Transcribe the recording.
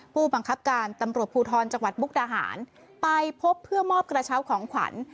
ผู้บังคับการตำรวจภูทรจังหวัดมุกดาหารไปพบเพื่อมอบกระเช้าของขวัญ